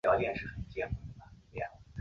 拉库尔圣皮埃尔人口变化图示